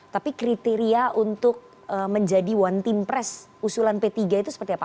tapi kriteria untuk menjadi one team press usulan p tiga itu seperti apa